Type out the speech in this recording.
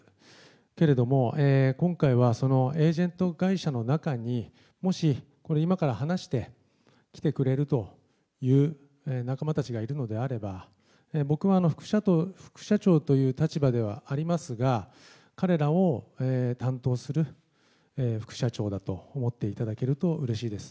けれども、今回は、そのエージェント会社の中に、もし今から話して来てくれるという仲間たちがいるのであれば、僕は副社長という立場ではありますが、彼らを担当する副社長だと思っていただけるとうれしいです。